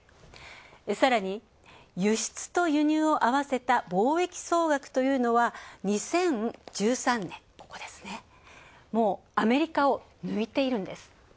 さらに、輸出と輸入を合わせた貿易総額というのは、２０１３年アメリカを抜いているんです。